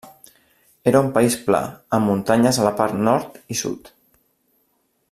Era un país pla amb muntanyes a la part nord i sud.